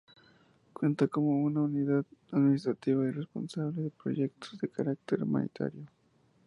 Cuenta con una unidad administrativa y un responsable de proyectos de carácter humanitario.